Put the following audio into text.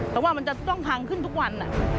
แต่ว่ามันจะต้องพังขึ้นทุกวัน